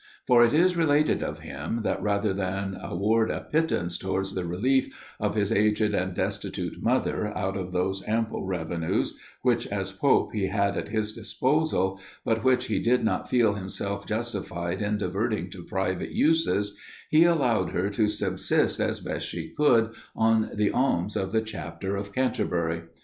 For it is related of him, that rather than award a pittance towards the relief of his aged and destitute mother out of those ample revenues, which as pope he had at his disposal, but which he did not feel himself justified in diverting to private uses, he allowed her to subsist as best she could on the alms of the Chapter of Canterbury.